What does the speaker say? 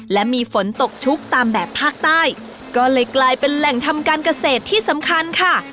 และมีฝนตกชุกตามแบบภาคใต้ก็เลยกลายเป็นแหล่งทำการเกษตรที่สำคัญค่ะ